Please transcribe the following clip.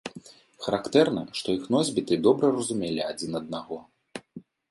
Характэрна, што іх носьбіты добра разумелі адзін аднаго.